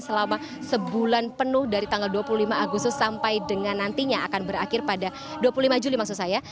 selama sebulan penuh dari tanggal dua puluh lima agustus sampai dengan nantinya akan berakhir pada dua puluh lima juli maksud saya